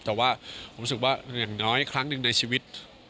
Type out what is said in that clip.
แต่ว่าผมรู้สึกว่าอย่างน้อยครั้งหนึ่งในชีวิต